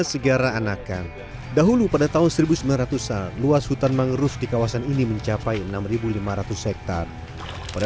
segara anakan dahulu pada tahun seribu sembilan ratus an luas hutan mangrove di kawasan ini mencapai enam ribu lima ratus hektare pada